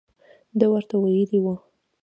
ده ورته ویلي وو.